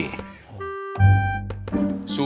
sudahlah pak haji sulam